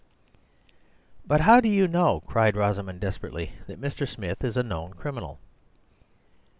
"But how do you know," cried Rosamund desperately, "that Mr. Smith is a known criminal?"